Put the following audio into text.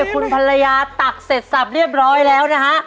คุณภรรยาตักเสร็จสับเรียบร้อยแล้วนะฮะ